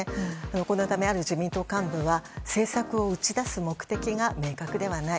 このため、ある自民党幹部は政策を打ち出す目的が明確ではない。